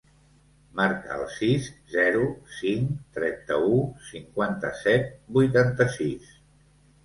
Marca el sis, zero, cinc, trenta-u, cinquanta-set, vuitanta-sis.